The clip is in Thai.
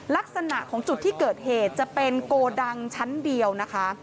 ลักษณะของจุดที่เกิดเหตุจะเป็นโกดังชั้นเดียวนะคะ